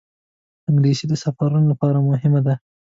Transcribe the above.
انګلیسي د سفرونو لپاره مهمه ده